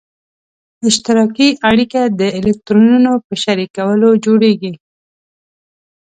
اشتراکي اړیکه د الکترونونو په شریکولو جوړیږي.